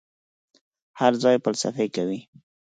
هر ځای فلسفې کوي.